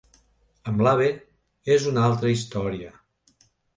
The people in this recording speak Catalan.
Amb l'Abe és una altra història.